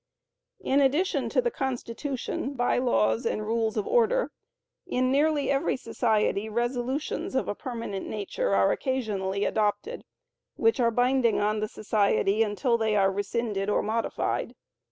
In addition to the Constitution, By Laws and Rules of Order, in nearly every society resolutions of a permanent nature are occasionally adopted, which are binding on the society until they are rescinded or modified.